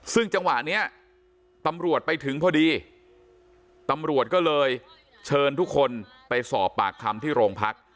ซึ่งจังหวะนี้ตำรวจไปถึงพอดีตำรวจก็เลยเชิญทุกคนไปสอบปากคำที่โรงพัก